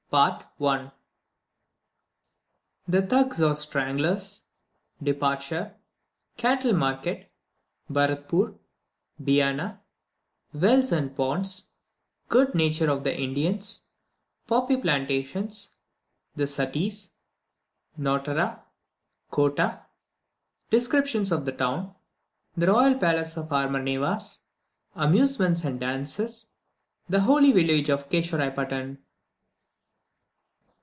THE THUGS OR STRANGLERS DEPARTURE CATTLE MARKET BARATPOOR BIANA WELLS AND PONDS GOOD NATURE OF THE INDIANS POPPY PLANTATIONS THE SUTTIS NOTARA KOTTAH DESCRIPTION OF THE TOWN THE ROYAL PALACE OF ARMORNEVAS AMUSEMENTS AND DANCES THE HOLY VILLAGE OF KESHO RAE PATUM.